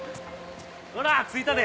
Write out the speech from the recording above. ほら着いたで。